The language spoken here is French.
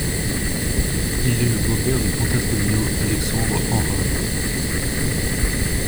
Il est le beau-père du pentathlonien Alexandre Henrard.